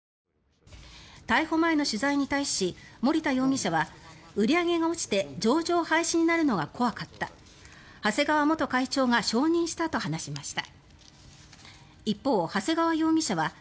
逮捕前の取材に対し森田容疑者は売り上げが落ちて上場廃止になるのが怖かった長谷川元会長が承認したと話しました。